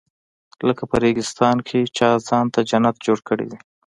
لکه په ریګستان کې چا ځان ته جنت جوړ کړی وي.